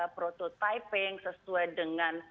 prototyping sesuai dengan